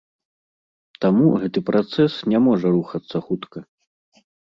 Таму гэты працэс не можа рухацца хутка.